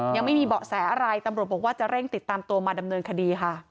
ยังไม่มีเบาะแสอะไรตำรวจบอกว่าจะเร่งติดตามตัวมาดำเนินคดีค่ะ